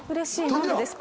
何でですか？